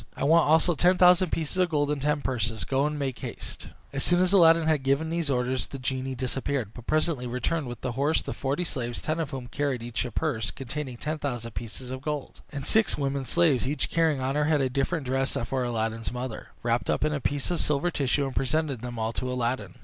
I want also ten thousand pieces of gold in ten purses; go, and make haste," As soon as Aladdin had given these orders, the genie disappeared, but presently returned with the horse, the forty slaves, ten of whom carried each a purse containing ten thousand pieces of gold, and six women slaves, each carrying on her head a different dress for Aladdin's mother, wrapped up in a piece of silver tissue, and presented them all to Aladdin.